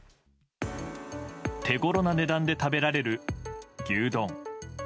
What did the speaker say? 手ごろな値段で食べられる牛丼。